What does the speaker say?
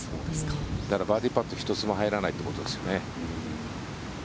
だからバーディーパットが１つも入らないということですよね。